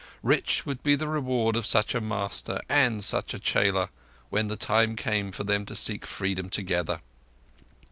Rich would be the reward of such a master and such a chela when the time came for them to seek freedom together!